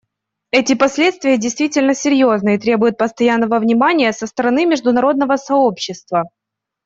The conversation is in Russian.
Эти последствия действительно серьезны и требуют постоянного внимания со стороны международного сообщества.